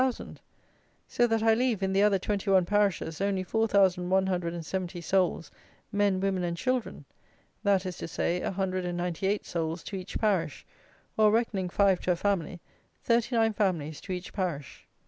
So that I leave, in the other twenty one parishes, only 4,170 souls, men, women, and children! That is to say, a hundred and ninety eight souls to each parish; or, reckoning five to a family, thirty nine families to each parish.